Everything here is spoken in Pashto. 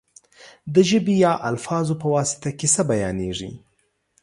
د ژبې یا الفاظو په واسطه کیسه بیانېږي.